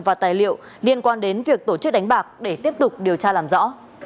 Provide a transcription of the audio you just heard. và tài liệu liên quan đến việc tổ chức đánh bạc để tiếp tục điều tra làm rõ